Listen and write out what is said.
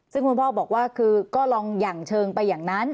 ซึ่งคุณพ่อบอกว่าคือก็ลองหยั่งเชิงไปอย่างนั้น